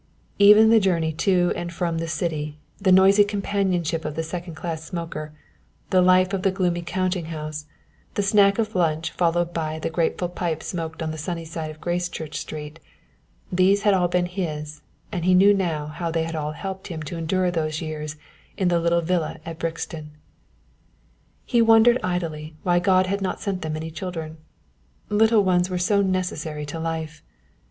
Even the journey to and from the City, the noisy companionship of the second class smoker, the life of the gloomy counting house, the snack of lunch followed by the grateful pipe smoked on the sunny side of Gracechurch Street these had all been his, and he knew now how they had all helped him to endure those years in the little villa at Brixton. He wondered idly why God had not sent them any children. Little ones were so necessary to life.